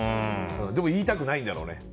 でも、言いたくないんだろうね。